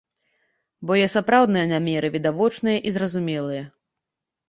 Бо яе сапраўдныя намеры відавочныя і зразумелыя.